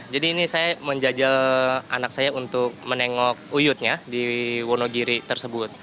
jadi ini saya menjajal anak saya untuk menengok uyutnya di wonogiri tersebut